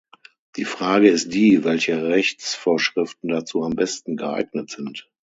Die Frage ist die, welche Rechtsvorschriften dazu am besten geeignet sind.